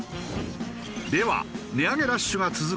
では値上げラッシュが続く